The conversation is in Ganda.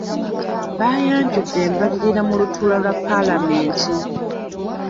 Baayanjudd embalirira mu lutuula lwa palamenti.